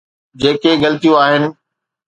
جيڪي غلطيون آهن.